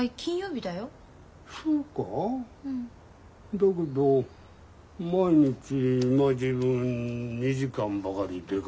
だけど毎日今時分２時間ばかり出かけるよ。